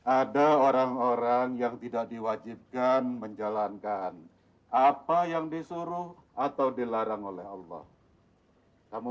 ada orang orang yang tidak diwajibkan menjalankan apa yang disuruh atau dilarang oleh allah kamu